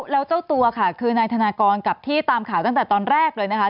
แล้วเจ้าตัวค่ะคือนายธนากรกับที่ตามข่าวตั้งแต่ตอนแรกเลยนะคะ